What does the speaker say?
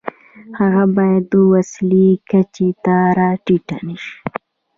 هغه باید د وسیلې کچې ته را ټیټ نشي.